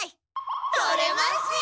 取れますよ！